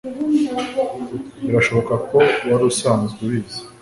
birashoboka ko wari usanzwe ubizi